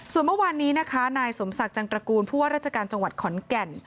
ส่วนเมื่อวานนี้นะคะนายสมศักดิ์จังตระกูลผู้ว่าราชการจังหวัดขอนแก่น